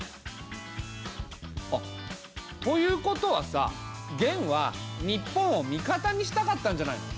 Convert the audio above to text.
あっということはさ元は日本を味方にしたかったんじゃないの？